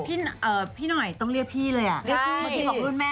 พี่หน่อยต้องเรียกพี่เลยอ่ะ